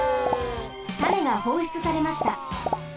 種がほうしゅつされました。